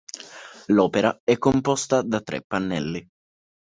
L'opera è composta da tre pannelli.